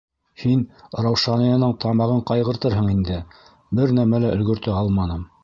Һин Раушанияның тамағын ҡайғыртырһың инде, бер нәмә лә өлгәртә алманым.